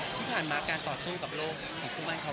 ที่ผ่านมาการต่อสู้กับโลกของคู่มั่นเขา